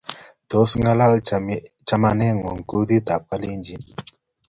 Tos, ngalali chamanengung kutitab kalenjin?